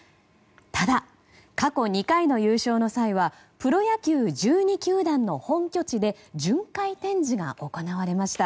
ただ、過去２回の優勝の際はプロ野球１２球団の本拠地で巡回展示が行われました。